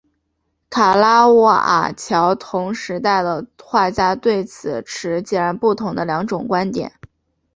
卡拉瓦乔同时代的画家对此持截然不同的两种观点。